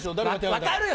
分かるよ！